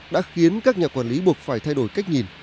đã khiến các nhà quản lý buộc phải thay đổi cách nhìn